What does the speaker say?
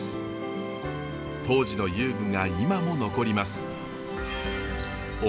当時の遊具が今も残ります。